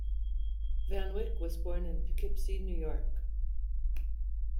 Van Wyck was born in Poughkeepsie, New York.